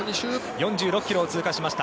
４６ｋｍを通過しました。